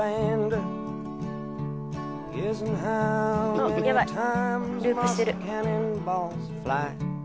あヤバいループしてる。